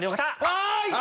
はい！